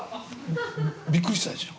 びっくりしたでしょ。